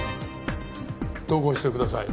同行してください。